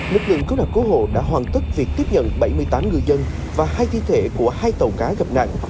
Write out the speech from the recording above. lực lượng cấu đảm cố hộ đã hoàn tất việc tiếp nhận bảy mươi tám ngư dân và hai thi thể của hai tàu cá gặp nạn